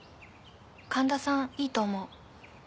神田さんいいと思う。